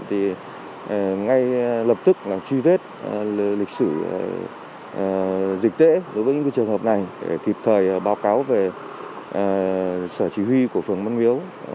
thì ngay lập tức truy vết lịch sử dịch tễ đối với những trường hợp này để kịp thời báo cáo về sở chỉ huy của phường văn miếu